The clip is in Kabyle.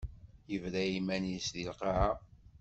Yebra i yiman-is deg lqaɛa.